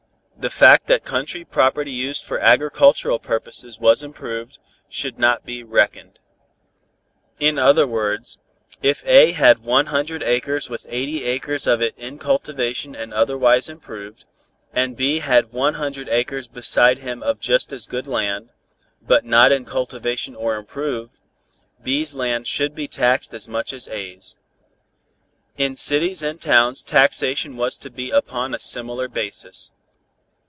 The fact that country property used for agricultural purposes was improved, should not be reckoned. In other words, if A had one hundred acres with eighty acres of it in cultivation and otherwise improved, and B had one hundred acres beside him of just as good land, but not in cultivation or improved, B's land should be taxed as much as A's. In cities and towns taxation was to be upon a similar basis.